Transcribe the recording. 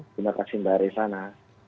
terima kasih mbak arisana